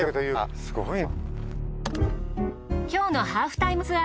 すごいな。